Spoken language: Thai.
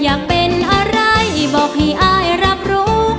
อยากเป็นอะไรบอกพี่อายรับรู้